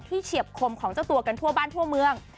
เฉียบคมของเจ้าตัวกันทั่วบ้านทั่วเมือง